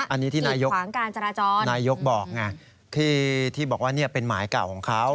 อันนี้ที่นายยกบอกที่บอกว่าเป็นหมายเก่าของเขา